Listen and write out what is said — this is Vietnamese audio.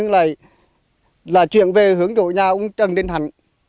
đây là chuyện về hướng dụ nhà ông trần đình hạnh